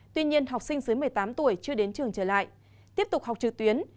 tuy nhiên học sinh dưới một mươi tám tuổi chưa đến trường trở lại tiếp tục học trực tuyến